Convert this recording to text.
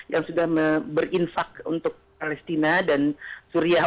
yang sudah berinfak untuk palestina dan suriah